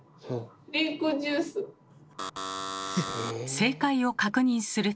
正解を確認すると。